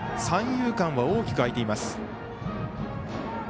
三遊間は大きく開いています。